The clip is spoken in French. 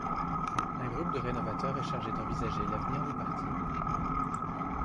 Un groupe de rénovateurs est chargé d'envisager l'avenir du parti.